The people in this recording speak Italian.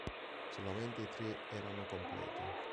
Solamente tre erano complete.